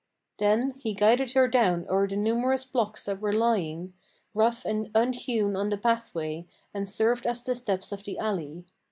Then he guided her down o'er the numerous blocks that were lying, Rough and unhewn on the pathway, and served as the steps of the alley.